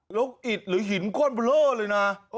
หลงอิทธิ์หรือหินก้อนบัลเวอร์เลยนะ